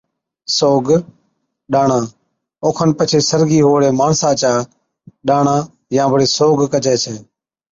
سوگ/ ڏاڻا، اوکن پڇي سرگِي ھئُوڙي ماڻسا چا ڏاڻا/ سوگ ڪجَي ڇَي